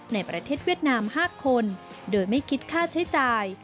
ในประเทศเวียดนาม๕คนโดยไม่คิดค่าใช้จ่าย